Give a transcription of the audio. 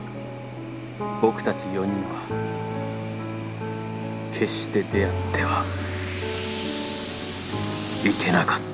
僕たち４人は決して出会ってはいけなかった